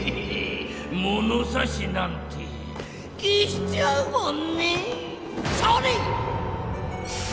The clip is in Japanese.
ものさしなんてけしちゃうもんねそれ！